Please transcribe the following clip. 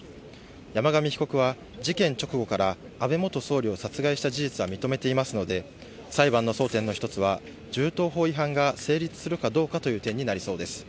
山上被告は事件直後から、安倍元総理を殺害した事実は認めていますので、裁判の争点の一つは、銃刀法違反が成立するかどうかという点になりそうです。